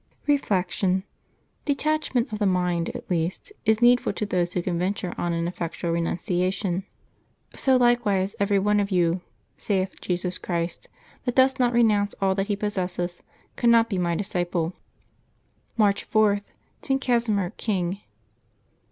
Reflection. — Detachment of the mind, at least, is need ful to those who cannot venture on an effectual renuncia 96 LIVES OF TEE SAINTS [Mabch 4 tion. '^ So likewise every one of you," saith Jesus Christ, ^^ that doth not renounce all that he possesseth, cannot be My disciple." March 4.— ST. CASIMIR, King.